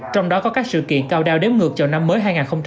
trong đó có các sự kiện cao đao đếm ngược chào năm mới hai nghìn hai mươi